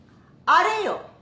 あれよ。